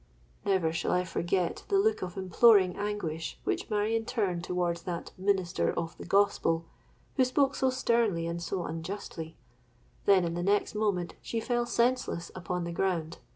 '—Never shall I forget the look of imploring anguish which Marion turned towards that minister of the Gospel, who spoke so sternly and so unjustly; then, in the next moment, she fell senseless upon the ground.